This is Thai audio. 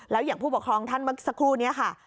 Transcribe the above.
แล้วอย่างผู้ปกครองท่านเมื่อสักครู่นี้ค่ะ